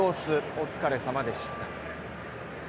お疲れさまでした。